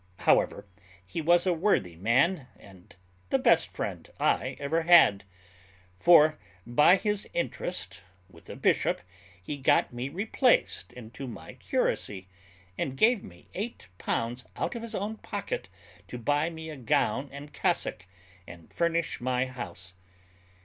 However, he was a worthy man, and the best friend I ever had; for, by his interest with a bishop, he got me replaced into my curacy, and gave me eight pounds out of his own pocket to buy me a gown and cassock, and furnish my house.